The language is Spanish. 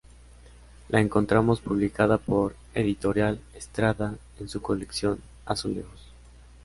La encontramos publicada por Editorial Estrada en su Colección Azulejos.